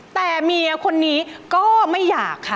แต่เมียคนนี้ก็ไม่อยากค่ะ